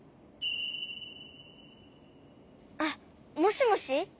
あっもしもし？